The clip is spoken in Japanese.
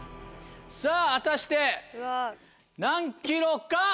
さぁ果たして何ｋｇか。